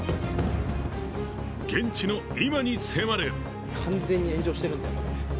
現地の今に迫る。